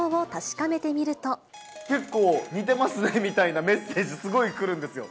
結構、似てますねみたいなメッセージ、すごい来るんですよ。